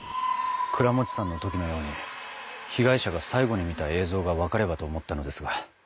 倉持さんの時のように被害者が最後に見た映像が分かればと思ったのですが。